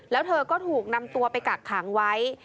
แล้วเธอก็ถูกนำตัวไปกักขังไว้